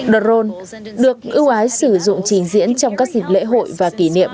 drone được ưu ái sử dụng chỉnh diện trong các dịp lễ hội và kỷ niệm